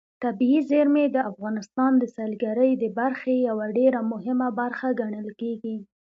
طبیعي زیرمې د افغانستان د سیلګرۍ د برخې یوه ډېره مهمه برخه ګڼل کېږي.